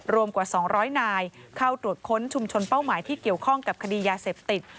รวมกว่า๒๐๐นายเข้าตรวจค้นชุมชนเป้าหมายที่เกี่ยวข้องกับคดียาเสพติด